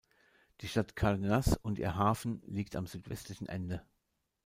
Die Stadt Cárdenas und ihr Hafen liegt am südwestlichen Ende.